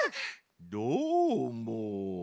どーも。